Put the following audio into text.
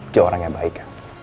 dia orang yang baik